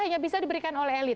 hanya bisa diberikan oleh elit